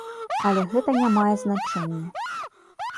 Але гэта не мае значэння.